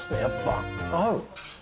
合う。